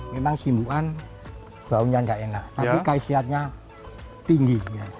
memang simbukan baunya nggak enak tapi khasiatnya tinggi